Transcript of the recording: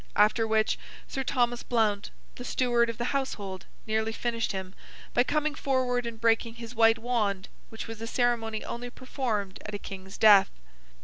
After which, Sir Thomas Blount, the Steward of the Household, nearly finished him, by coming forward and breaking his white wand—which was a ceremony only performed at a King's death.